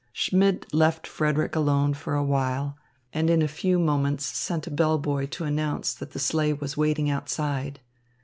Schmidt left Frederick alone for a while and in a few moments sent a bell boy to announce that the sleigh was waiting outside.